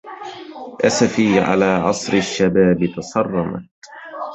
أسفي على عصر الشباب تصرمت